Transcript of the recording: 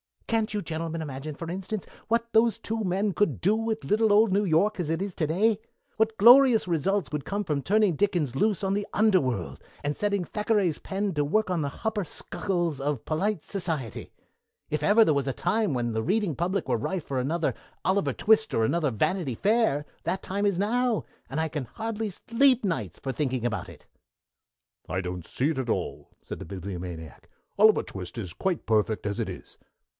"Can't you gentlemen imagine, for instance, what those two men could do with little old New York as it is to day? What glorious results would come from turning Dickens loose on the underworld, and setting Thackeray's pen to work on the hupper sukkles of polite s'ciety! If there ever was a time when the reading public were ripe for another 'Oliver Twist' or another 'Vanity Fair', that time is now, and I can hardly sleep nights for thinking about it." "I don't see it at all," said the Bibliomaniac. "'Oliver Twist' is quite perfect as it is."